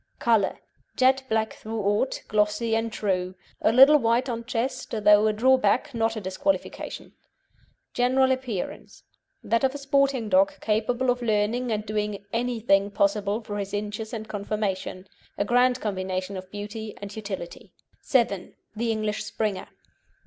COLOUR Jet black throughout, glossy and true. A little white on chest, though a drawback, not a disqualification. GENERAL APPEARANCE That of a sporting dog, capable of learning and doing anything possible for his inches and conformation. A grand combination of beauty and utility. VII. THE ENGLISH SPRINGER.